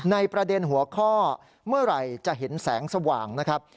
ในประเด็นหัวข้อเมื่อไหร่จะเห็นแสงสว่างนะครับ